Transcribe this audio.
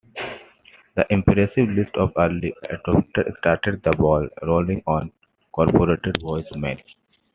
The impressive list of early adopters started the ball rolling on corporate voice-mail.